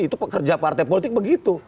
itu pekerja partai politik begitu